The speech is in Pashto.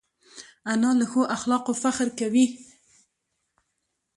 انا له ښو اخلاقو فخر کوي